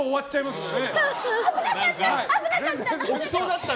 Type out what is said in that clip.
危なかった！